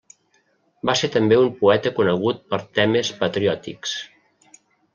Va ser també un poeta conegut per temes patriòtics.